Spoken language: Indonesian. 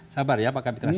sabar ya pak kapitra